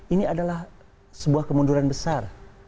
ini adalah sebuah kemunduran besar